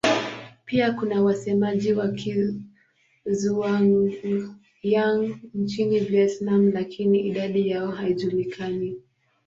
Pia kuna wasemaji wa Kizhuang-Yang nchini Vietnam lakini idadi yao haijulikani.